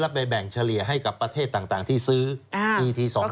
แล้วไปแบ่งเฉลี่ยให้กับประเทศต่างที่ซื้อทีทีสองร้อย